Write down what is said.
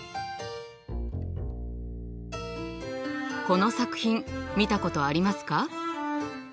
この作品見たことありますか？